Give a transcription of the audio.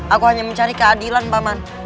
aku hanya mencari keadilan paman